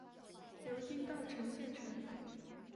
流经稻城县城。